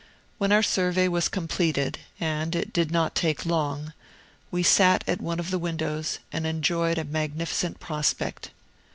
When our survey was completed and it did not take long we sat at one of the windows and enjoyed a magnificent prospect.